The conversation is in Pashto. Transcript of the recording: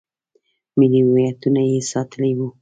ملي هویتونه یې ساتلي وي.